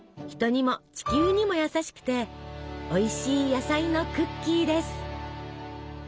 人にも地球にも優しくておいしい野菜のクッキーです！